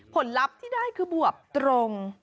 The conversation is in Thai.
ผลลัพธ์ที่ได้คือบวบตรง